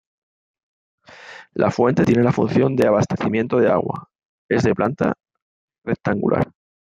La fuente, tiene la función de abastecimiento de agua, es de planta rectangular.